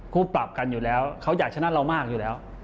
ปรับกันอยู่แล้วเขาอยากชนะเรามากอยู่แล้ว